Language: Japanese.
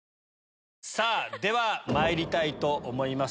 さぁではまいりたいと思います